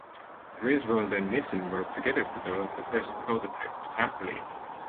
Griswold and Nissen worked together to develop the first prototype trampoline.